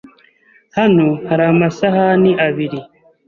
Hano hari amasahani abiri.